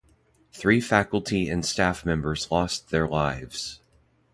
Three faculty and staff members lost their lives.